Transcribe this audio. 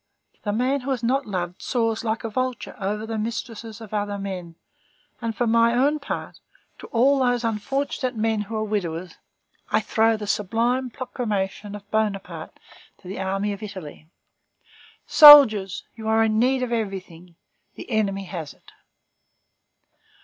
The man who is not loved soars like a vulture over the mistresses of other men; and for my own part, to all those unfortunate men who are widowers, I throw the sublime proclamation of Bonaparte to the army of Italy: "Soldiers, you are in need of everything; the enemy has it."